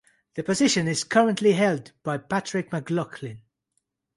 The position is currently held by Patrick McLoughlin.